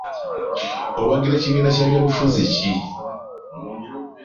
Owagira kibiina kya byabufuzi ki?